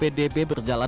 yang berhasil dikendalikan